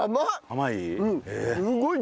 甘い？